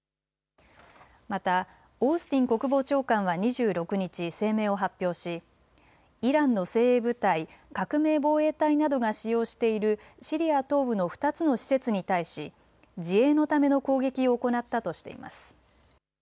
またオースティン国防長官は２６日、声明を発表しイランの精鋭部隊、革命防衛隊などが使用しているシリア東部の２つの施設に対し自衛のための攻撃を行ったとしています。